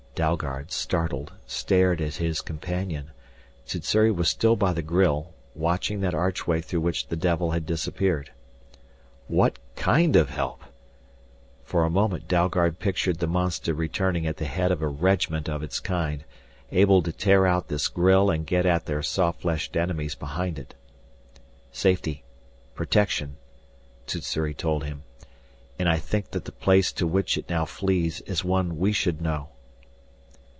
Dalgard, startled, stared at his companion. Sssuri was still by the grille, watching that archway through which the devil had disappeared. "What kind of help?" For a moment Dalgard pictured the monster returning at the head of a regiment of its kind, able to tear out this grille and get at their soft fleshed enemies behind it. "Safety protection," Sssuri told him. "And I think that the place to which it now flees is one we should know."